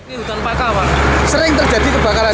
ini hutan pakaka pak sering terjadi kebakaran ini